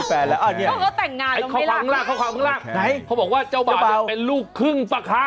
เขาบอกว่าเจ้าบ่าจะเป็นลูกครึ่งป่ะคะ